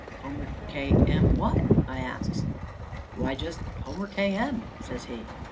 "Homer K. M. what?" I asks. "Why, just Homer K. M.," says he.